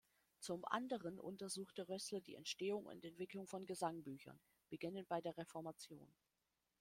Zum anderen untersuchte Rößler die Entstehung und Entwicklung von Gesangbüchern, beginnend bei der Reformation.